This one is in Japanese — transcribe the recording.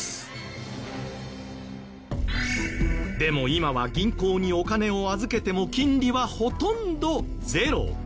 でも今は銀行にお金を預けても金利はほとんどゼロ。